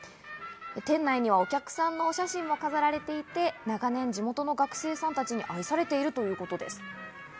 店内にはお客さんのお写真も飾られていて長年、地元の学生さんたちに愛されているということです。